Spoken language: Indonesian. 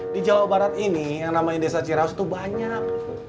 di jawa barat ini yang namanya desa ciraus itu banyak